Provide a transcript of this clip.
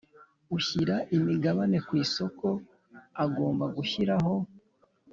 Ushyira imigabane ku isoko agomba gushyiraho